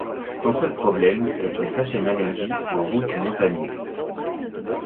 Son seul problème est une certaine allergie aux routes montagneuses.